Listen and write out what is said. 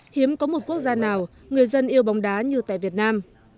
hiếm có một quốc gia nào người dân yêu bóng đá như tại việt nam